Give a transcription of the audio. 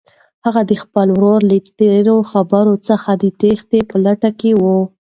هغه د خپل ورور له تېرو خبرو څخه د تېښتې په لټه کې وه.